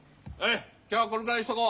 今日はこれぐらいにしとこう。